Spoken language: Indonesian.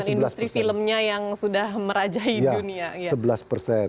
dan industri filmnya yang sudah merajai dunia